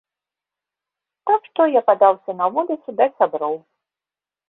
Так што, я падаўся на вуліцу, да сяброў.